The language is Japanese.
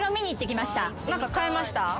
何か買えました？